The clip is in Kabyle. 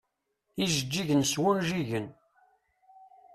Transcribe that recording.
Ijeǧǧigen s wunjigen.